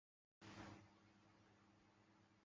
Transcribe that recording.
黑鳞远轴鳞毛蕨为鳞毛蕨科鳞毛蕨属下的一个种。